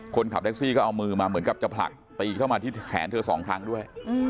คนขับแท็กซี่ก็เอามือมาเหมือนกับจะผลักตีเข้ามาที่แขนเธอสองครั้งด้วย